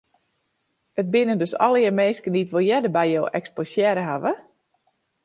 It binne dus allegear minsken dy't wol earder by jo eksposearre hawwe?